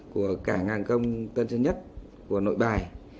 của cả ngàn công tân sân nhất của nội bài